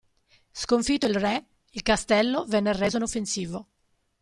Sconfitto il re, il castello venne reso inoffensivo.